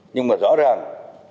nhưng mà rõ ràng